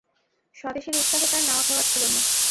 স্বদেশীর উৎসাহে তার নাওয়া-খাওয়া ছিল না।